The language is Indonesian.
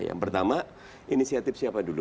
yang pertama inisiatif siapa dulu